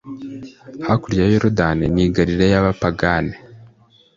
hakurya ya Yorodani n'i Galilaya y'abapagane;